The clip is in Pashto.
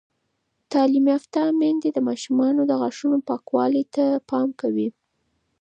تعلیم یافته میندې د ماشومانو د غاښونو پاکوالي ته پام کوي.